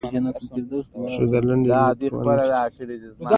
د پښتو دا لنډۍ له پرونه راهيسې.